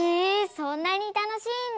そんなにたのしいんだ。